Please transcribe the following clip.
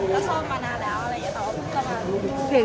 ก็ชอบมานานแล้วอะไรอย่างนี้